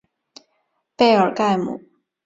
贝尔盖姆。